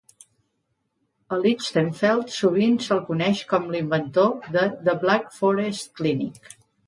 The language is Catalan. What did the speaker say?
A Lichtenfeld sovint se'l coneix com l'inventor de "The Black Forest Clinic".